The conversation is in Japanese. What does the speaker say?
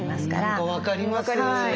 何か分かります。